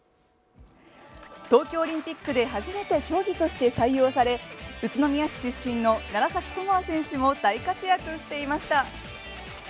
東京オリンピックで初めて競技として採用され宇都宮市出身の楢崎智亜選手も大活躍していました。